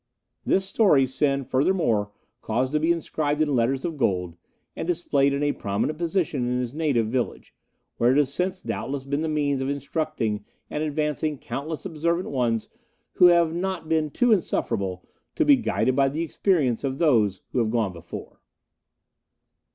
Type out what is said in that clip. This story Sen furthermore caused to be inscribed in letters of gold, and displayed in a prominent position in his native village, where it has since doubtless been the means of instructing and advancing countless observant ones who have not been too insufferable to be guided by the experience of those who have gone before."